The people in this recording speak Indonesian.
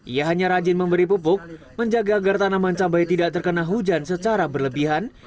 ia hanya rajin memberi pupuk menjaga agar tanaman cabai tidak terkena hujan secara berlebihan